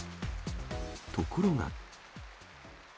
ところが。